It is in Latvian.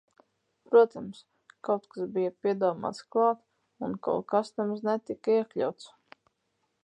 Protams, kaut kas bija piedomāts klāt un kaut kas nemaz netika iekļauts.